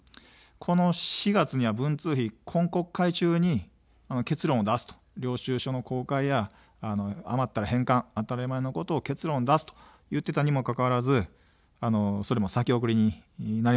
この４月には文通費、今国会中に結論を出すと、領収書の公開や余ったら返還、当たり前のことを結論出すと言っていたにもかかわらず、それも先送りになりました。